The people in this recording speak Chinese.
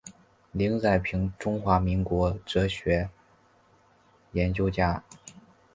林宰平中华民国哲学研究家。